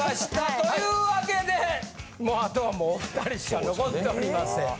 というわけでもうあとはもう２人しか残っておりません。